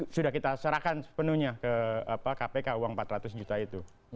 sudah kita serahkan sepenuhnya ke kpk uang empat ratus juta itu